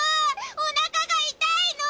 おなかが痛いの！